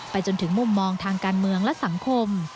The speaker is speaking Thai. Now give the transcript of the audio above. จนถึงมุมมองทางการเมืองและสังคม